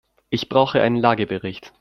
Ich brauche einen Lagebericht.